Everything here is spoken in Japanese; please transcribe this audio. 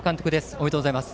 おめでとうございます。